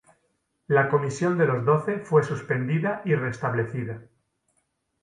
La Comisión de los Doce fue suspendida y restablecida.